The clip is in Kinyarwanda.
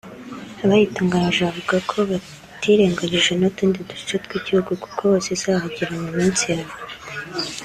Abayitunganyije bavuga ko batirengagije n’utundi duce tw’igihugu kuko hose izahagera mu minsi ya vuba